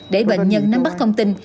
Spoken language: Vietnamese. để bệnh nhân nắm bắt thông tin